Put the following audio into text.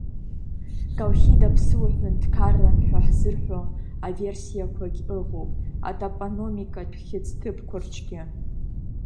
Колхида ԥсыуа ҳәынҭқарран ҳәа ҳзырҳәо аверсиақәагь ыҟоуп атопонимикатә хьыӡ ҭыԥқәа рҿгьы…